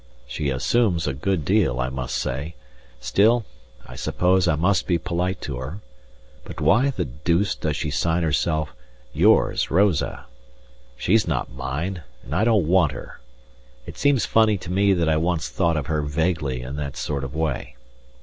She assumes a good deal, I must say, still, I suppose I must be polite to her; but why the deuce does she sign herself "Yours, Rosa?" She's not mine, and I don't want her; it seems funny to me that I once thought of her vaguely in that sort of way.